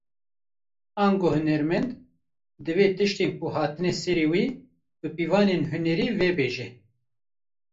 Ango hunermend, divê tiştên ku hatine serî wî, bi pîvanên hunerê vebêje